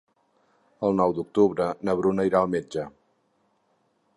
El nou d'octubre na Bruna irà al metge.